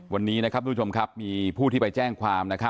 วันนี้ทุกทุกชมมีผู้ที่ไปแจ้งความ